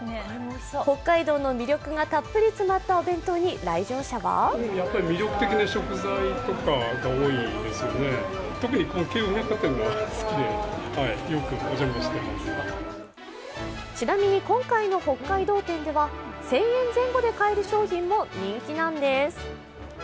北海道の魅力がたっぷり詰まったお弁当に来場者はちなみに今回の北海道展では１０００円前後で買える商品も人気なんです。